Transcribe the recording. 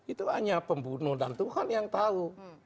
itu hanya pembunuh dan tuhan yang tahu